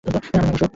আমার নাম অশোক।